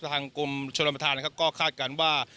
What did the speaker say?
ทางกรมชนมประธานก็คาดกันว่า